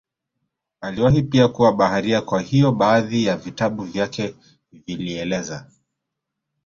Aliwahi pia kuwa baharia kwa hiyo baadhi ya vitabu vyake vilieleza